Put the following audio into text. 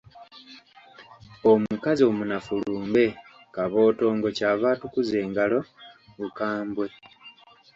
Omukazi omunafu lumbe, Kabootongo, Kyava atukuza engalo, Bukambwe.